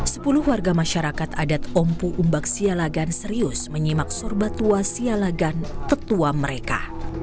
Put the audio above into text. sepuluh warga masyarakat adat ompu umbak sialagan serius menyimak surba tua sialagan tetua mereka